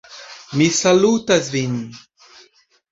Mi salutas vin.